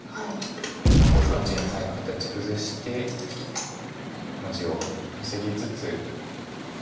こういう感じに形崩して地を稼ぎつつ。